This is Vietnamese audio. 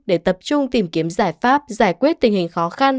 để tập trung tìm kiếm giải pháp giải quyết tình hình khó khăn